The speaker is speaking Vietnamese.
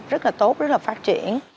rất là tốt rất là phát triển